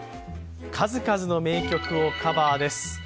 数々の名曲をカバーです。